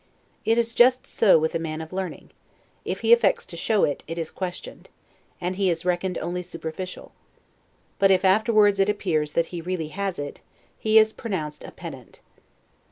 It is just so with a man of learning; if he affects to show it, it is questioned, and he is reckoned only superficial; but if afterward it appears that he really has it, he is pronounced a pedant.